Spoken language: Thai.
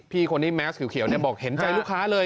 พี่คนนี้แมสเขียวบอกเห็นใจลูกค้าเลย